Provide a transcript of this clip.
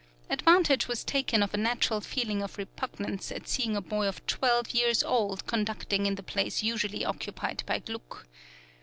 Advantage was taken of a natural feeling of repugnance at seeing a boy of twelve years old conducting in the place usually occupied by Gluck.